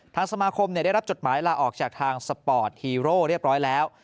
ทางสมาคมได้รับจดหมายลาออกจากทางสปอร์ตฮีโร่เรียบร้อยแล้ว